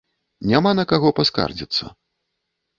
Няма на каго паскардзіцца.